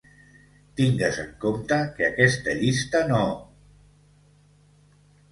Tingues en compte que aquesta llista no